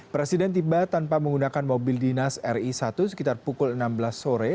presiden tiba tanpa menggunakan mobil dinas ri satu sekitar pukul enam belas sore